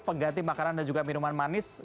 pengganti makanan dan juga minuman manis